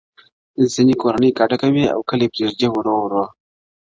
ځينې کورنۍ کډه کوي او کلي پرېږدي ورو ورو,